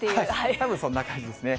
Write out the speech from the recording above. たぶん、そんな感じですね。